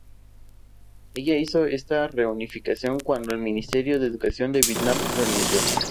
Ella hizo esta reunificación cuando el ministro de educación de Vietnam renunció.